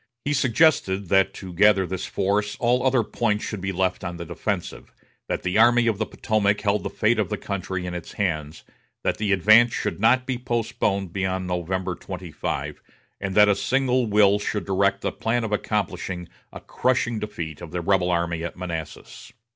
He suggested that to gather this force all other points should be left on the defensive; that the Army of the Potomac held the fate of the country in its hands; that the advance should not be postponed beyond November 25; and that a single will should direct the plan of accomplishing a crushing defeat of the rebel army at Manassas.